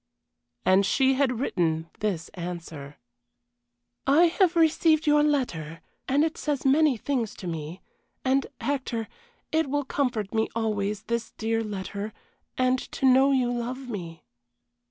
And she had written this answer: "I have received your letter, and it says many things to me and, Hector, it will comfort me always, this dear letter, and to know you love me.